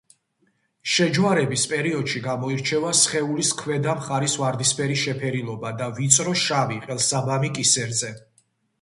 შეჯვარების პერიოდში გამოირჩევა სხეულის ქვედა მხარის ვარდისფერი შეფერილობა და ვიწრო შავი „ყელსაბამი“ კისერზე.